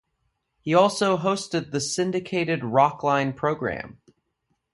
He also hosted the syndicated Rockline program.